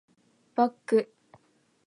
バック